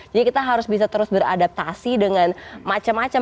jadi kita harus bisa terus beradaptasi dengan macem macem